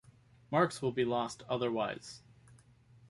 Marks will be lost otherwise.